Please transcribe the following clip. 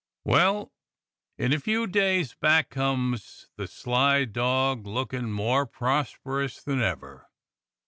"Well, in a few days back comes the sly dog lookin' more prosperous than ever.